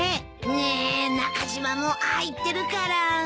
ねえ中島もああ言ってるから。